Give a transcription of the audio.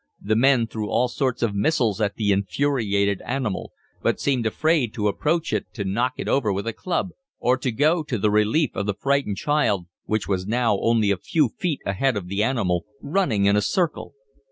The men threw all sorts of missiles at the infuriated animal, but seemed afraid to approach it to knock it over with a club, or to go to the relief of the frightened child which was now only a few feet ahead of the animal, running in a circle.